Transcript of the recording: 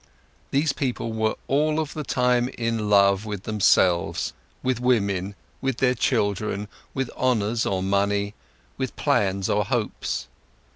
These people were all of the time in love with themselves, with women, with their children, with honours or money, with plans or hopes.